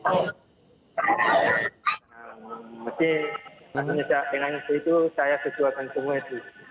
maksudnya saya pengen itu saya keju akan semua itu